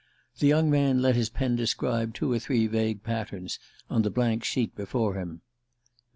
The young man let his pen describe two or three vague patterns on the blank sheet before him.